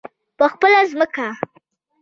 په خپله ځمکه.